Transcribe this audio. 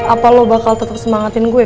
apa lo bakal tetap semangatin gue